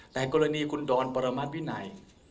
แต่กรณีของคุณดรปรมัสวินัย